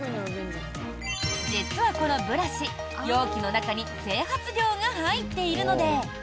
実はこのブラシ、容器の中に整髪料が入っているので。